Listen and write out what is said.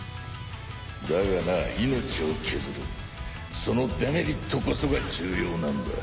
だがな命を削るそのデメリットこそが重要なんだ。